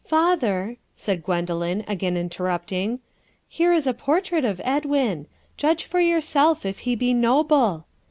"Father," said Gwendoline, again interrupting, "here is a portrait of Edwin. Judge for yourself if he be noble."